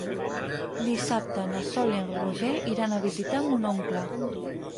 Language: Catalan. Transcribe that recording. Dissabte na Sol i en Roger iran a visitar mon oncle.